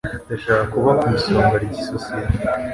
Ndashaka kuba ku isonga ryisosiyete.